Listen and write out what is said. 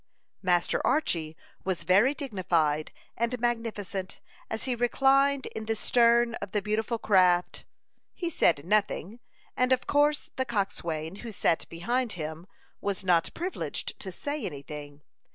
Master Archy was very dignified and magnificent as he reclined in the stern of the beautiful craft. He said nothing, and of course the coxswain, who sat behind him, was not privileged to say any thing.